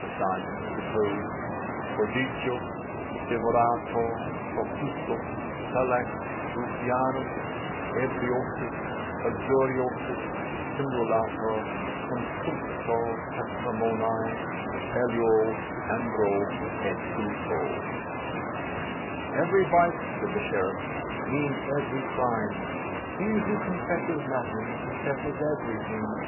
The serjeant interposed. "_Prodigus, devorator, profusus, salax, ruffianus, ebriosus, luxuriosus, simulator, consumptor patrimonii, elluo, ambro, et gluto_." "Every vice," said the sheriff, "means every crime. He who confesses nothing, confesses everything.